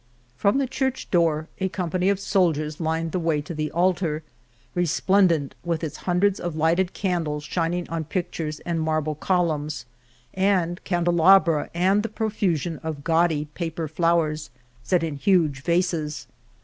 From the church door a company of sol diers lined the way to the altar, resplendent with its hundreds of lighted candles shining on pictures and marble columns, and cande 126 El Toboso labra and the profusion of gaudy paper flow ers set in huge vases.